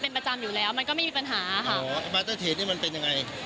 เป็นประจำอยู่แล้วมันก็ไม่มีปัญหาค่ะอ๋อมาเตอร์เทรดนี่มันเป็นยังไง